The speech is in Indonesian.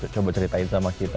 coba ceritain sama kita